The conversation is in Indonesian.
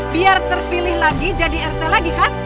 biar terpilih lagi jadi rt lagi kan